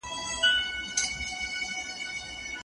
زما لېونۍ و ماته ډېر څه وايي بد څه وايي